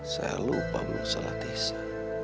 saya lupa belum salah tisa